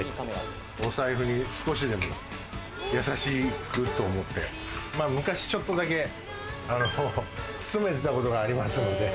お財布に少しでもやさしくと思って、昔ちょっとだけ勤めてたことがありますので。